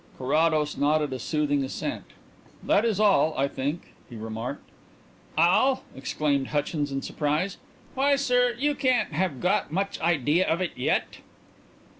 '" Carrados nodded a soothing assent. "That is all, I think," he remarked. "All!" exclaimed Hutchins in surprise. "Why, sir, you can't have got much idea of it yet."